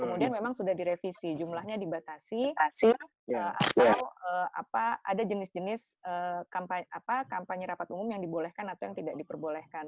kemudian memang sudah direvisi jumlahnya dibatasi atau ada jenis jenis kampanye rapat umum yang dibolehkan atau yang tidak diperbolehkan